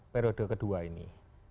periode kedua ini